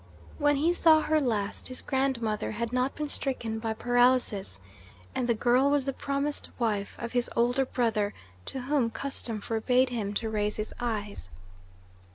When he saw her last his grandmother had not been stricken by paralysis, and the girl was the promised wife of his older brother, to whom custom forbade him to raise his eyes.